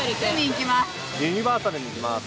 ユニバーサルに行きます。